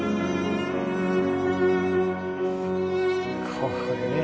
ここでね。